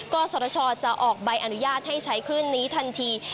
ก็สรชจะออกใบอนุญาตให้ใช้คลื่นนี้ทันที